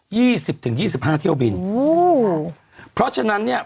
สิบถึงยี่สิบห้าเที่ยวบินโอ้โหเพราะฉะนั้นเนี้ย